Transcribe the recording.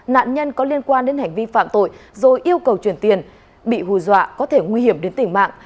nạn nhân có liên quan đến hành vi phạm tội rồi yêu cầu chuyển tiền bị hù dọa có thể nguy hiểm đến tình mạng